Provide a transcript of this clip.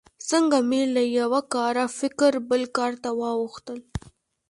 څنګه مې له یوه کاره فکر بل کار ته واوښتل.